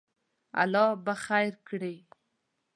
الله به خیر کړی